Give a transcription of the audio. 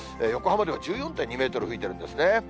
横浜では１４．２メートル吹いてるんですね。